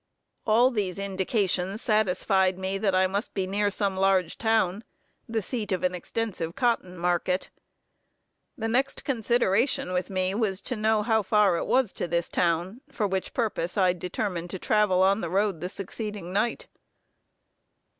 All these indications satisfied me that I must be near some large town, the seat of an extensive cotton market. The next consideration with me was to know how far it was to this town, for which purpose I determined to travel on the road the succeeding night.